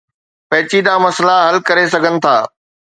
پيچيده مسئلا حل ڪري سگهن ٿا